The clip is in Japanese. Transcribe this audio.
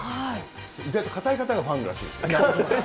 意外とかたい方がファンらしいですよ。